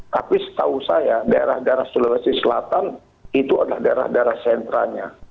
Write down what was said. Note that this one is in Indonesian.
tapi setahu saya daerah daerah sulawesi selatan itu adalah daerah daerah sentranya